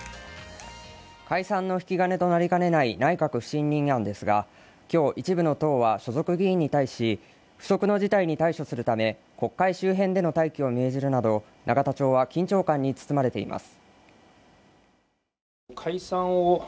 解散の引き金となりかねない内閣不信任案ですが、今日、一部の党は所属議員に対し不測の事態に対処するため国会周辺での待機を命じるなど永田町は緊張感に包まれています。